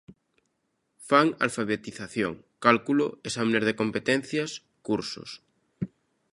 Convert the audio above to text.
Fan alfabetización, cálculo, exames de competencias, cursos.